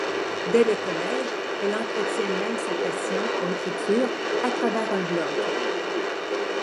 Dès le collège, elle entretient même sa passion pour l’écriture, à travers un blog.